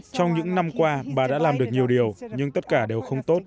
trong những năm qua bà đã làm được nhiều điều nhưng tất cả đều không tốt